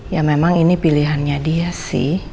ya memang ini pilihannya dia sih